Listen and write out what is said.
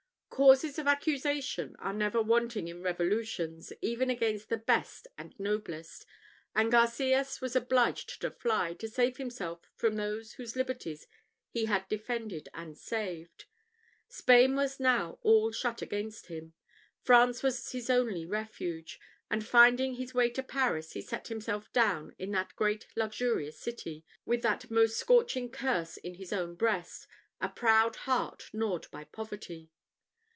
Causes of accusation are never wanting in revolutions, even against the best and noblest; and Garcias was obliged to fly, to save himself from those whose liberties he had defended and saved. Spain was now all shut against him. France was his only refuge; and, finding his way to Paris, he set himself down in that great luxurious city, with that most scorching curse in his own breast, a proud heart gnawed by poverty.